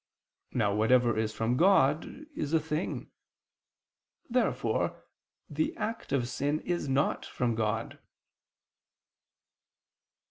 Now whatever is from God is a thing. Therefore the act of sin is not from God.